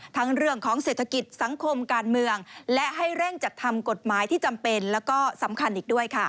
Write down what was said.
ทั้งเรื่องของเศรษฐกิจสังคมการเมืองและให้เร่งจัดทำกฎหมายที่จำเป็นแล้วก็สำคัญอีกด้วยค่ะ